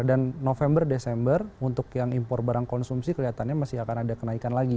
dan november december untuk yang impor barang konsumsi kelihatannya masih akan ada kenaikan lagi